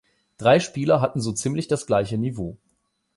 Drei Spieler hatten so ziemlich das gleiche Niveau.